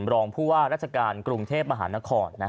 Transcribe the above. รองผู้ว่าราชการกรุงเทพมหานคร